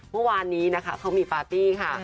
เมื่อวานที่เขามีปาร์ตี้